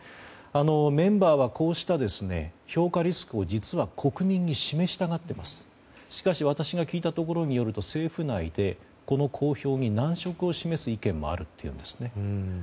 メンバーはこうした評価リスクを実は国民に示したがっていますが私が聞いたところによると政府内で、この公表に難色を示す意見もあるというんです。